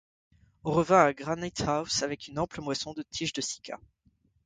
On revint à Granite-house avec une ample moisson de tiges de cycas.